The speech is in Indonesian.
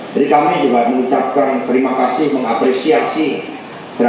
jadi kami juga mengucapkan terima kasih mengapresiasi terhadap beberapa